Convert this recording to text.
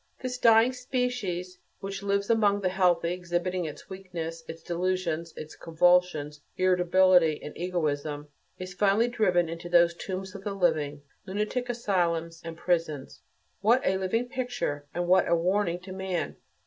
This "dying species," which lives among the healthy, exhibiting its weakness, its delusions, its convulsions, irritability and egoism, is finally driven into those tombs of the living, lunatic asylums and prisons. What a living picture, and what a warning to man!